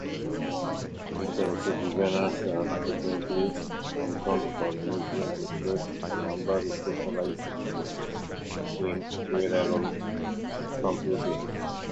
Interactive designers are frequently commissioned for museum displays; a number specialize in wearable computing.